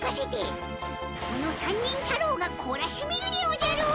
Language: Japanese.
この三人太郎がこらしめるでおじゃる。